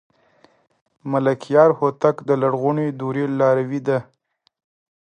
ملکیار هوتک د لرغونې دورې لاروی دی.